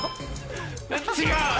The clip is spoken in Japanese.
違う！